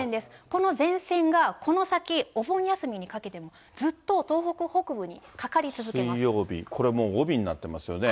この前線がこの先、お盆休みにかけてもずっと東北北部にかかり続水曜日、これはもう帯になってますよね。